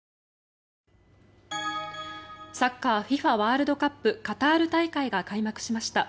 サッカーＦＩＦＡワールドカップカタール大会が開幕しました。